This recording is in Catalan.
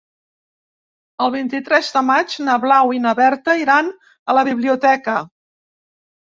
El vint-i-tres de maig na Blau i na Berta iran a la biblioteca.